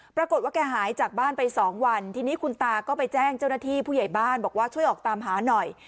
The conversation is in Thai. ปรากฏว่าแกหายจากบ้านไปสองวันทีนี้คุณตาก็ไปแจ้งเจ้าหน้าที่ผู้ใหญ่บ้านบอกว่าช่วยออกตามหาหน่อย